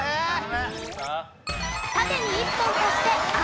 縦に１本足して杏。